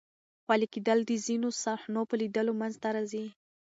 خولې کېدل د ځینو صحنو په لیدلو منځ ته راځي.